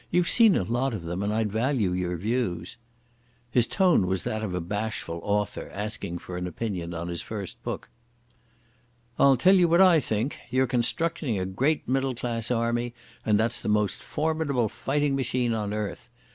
You've seen a lot of them, and I'd value your views." His tone was that of a bashful author asking for an opinion on his first book. "I'll tell you what I think. You're constructing a great middle class army, and that's the most formidable fighting machine on earth.